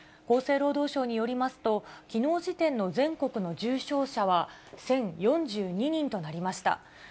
厚生労働省によりますと、きのう時点の全国の重症者は１０４２人となりました。